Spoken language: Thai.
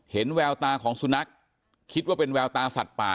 แววตาของสุนัขคิดว่าเป็นแววตาสัตว์ป่า